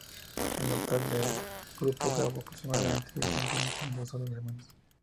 En total, el grupo grabó aproximadamente diez canciones en solo dos semanas.